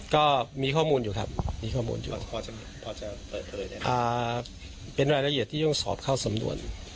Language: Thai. ก็มีข้อมูลอยู่ครับเพราะเป็นรายละเอียดที่ต้องสอบเข้าสำนวน